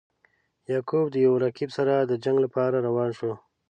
یعقوب د یو رقیب سره د جنګ لپاره روان شو.